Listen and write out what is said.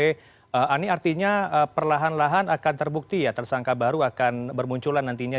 ini artinya perlahan lahan akan terbukti ya tersangka baru akan bermunculan nantinya